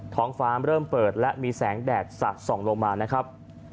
ท้องฟ้าเริ่มเปิดและมีแสงแดดสะส่องลงมานะครับ